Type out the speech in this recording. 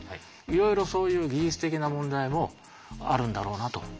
いろいろそういう技術的な問題もあるんだろうなと。